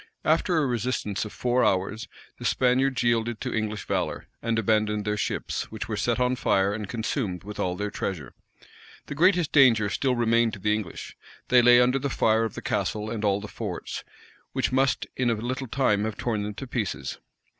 After a resistance of four hours, the Spaniards yielded to English valor, and abandoned their ships, which were set on fire, and consumed with all their treasure. The greatest danger still remained to the English. They lay under the fire of the castle and all the forts, which must in a little time have torn them in pieces.